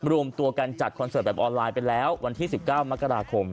รวมตัวกันจัดคอนเสิร์ตแบบออนไลน์ไปแล้ววันที่๑๙มกราคม